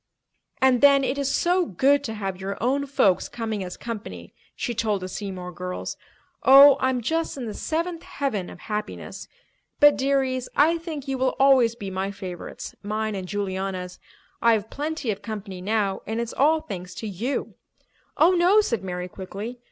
"And then it is so good to have your own folks coming as company," she told the Seymour girls. "Oh, I'm just in the seventh heaven of happiness. But, dearies, I think you will always be my favourites—mine and Juliana's. I've plenty of company now and it's all thanks to you." "Oh, no," said Mary quickly.